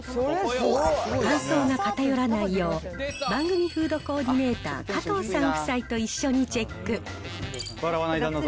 感想が偏らないよう、番組フードコーディネーター、加藤さん夫妻と一緒にチェック。